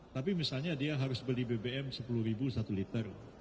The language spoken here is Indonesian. tapi misalnya dia harus beli bbm sepuluh ribu satu liter